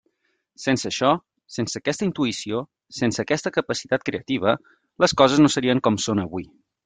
Sense això, sense aquesta intuïció, sense aquesta capacitat creativa, les coses no serien com són avui.